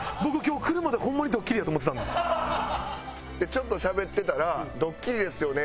ちょっとしゃべってたらドッキリですよね？